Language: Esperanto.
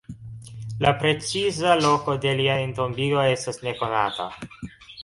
La preciza loko de lia entombigo estas nekonata.